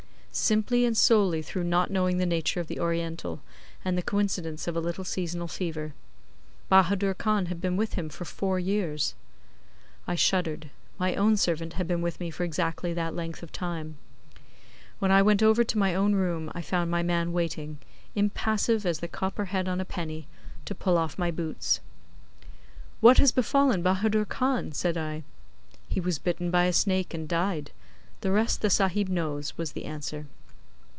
'Simply and solely through not knowing the nature of the Oriental, and the coincidence of a little seasonal fever. Bahadur Khan had been with him for four years.' I shuddered. My own servant had been with me for exactly that length of time. When I went over to my own room I found my man waiting, impassive as the copper head on a penny, to pull off my boots. 'What has befallen Bahadur Khan?' said I. 'He was bitten by a snake and died. The rest the Sahib knows,' was the answer.